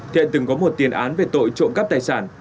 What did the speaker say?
thiện từng có một tiền án về tội trộm cắp tài sản